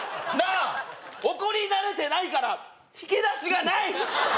あ怒り慣れてないから引き出しがない